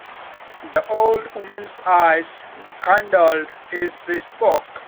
The old woman's eyes kindled as she spoke.